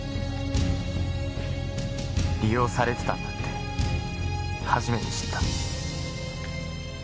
利用されてたんだって初めて知った。